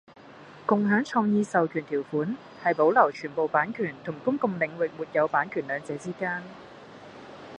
共享創意授權條款係保留全部版權同公共領域沒有版權兩者之間